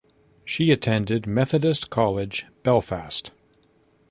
She attended Methodist College Belfast.